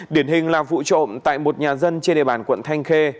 điển hình là vụ trộm tại một nhà dân trên địa bàn quận thanh khê